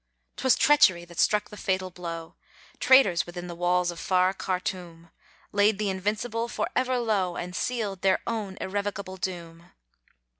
'Twas treachery that struck the fatal blow; Traitors within the walls of far Khartoum, Laid the invincible for ever low, And sealed their own irrevocable doom.